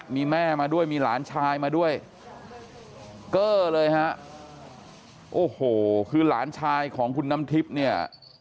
มีแม่มาด้วยมีหลานชายมาด้วยเก้อเลยฮะโอ้โหคือหลานชายของคุณน้ำทิพย์เนี่ย